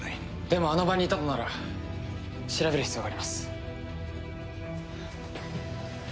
でもあの場にいたのなら調べる必要があります。